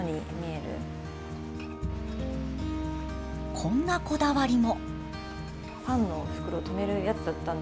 こんなこだわりも。